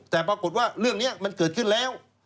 แต่ปรากฏว่าเรื่องนี้มันเกิดขึ้นแล้ว